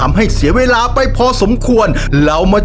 หัวหนึ่งหัวหนึ่ง